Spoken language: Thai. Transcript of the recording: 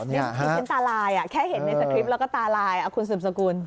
ดิฉันตาลายแค่เห็นในสคริปต์แล้วก็ตาลายคุณสืบสกุล